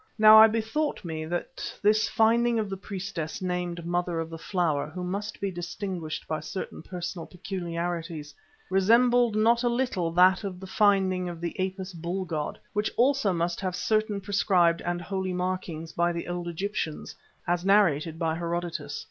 Now I bethought me that this finding of the priestess named "Mother of the Flower," who must be distinguished by certain personal peculiarities, resembled not a little that of the finding of the Apis bull god, which also must have certain prescribed and holy markings, by the old Egyptians, as narrated by Herodotus.